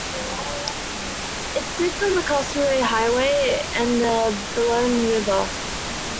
It sits on the Castlereagh Highway and the Balonne River.